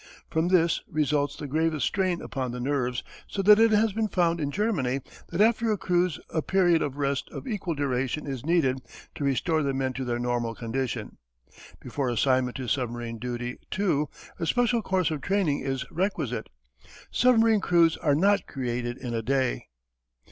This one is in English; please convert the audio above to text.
From this results the gravest strain upon the nerves so that it has been found in Germany that after a cruise a period of rest of equal duration is needed to restore the men to their normal condition. Before assignment to submarine duty, too, a special course of training is requisite. Submarine crews are not created in a day.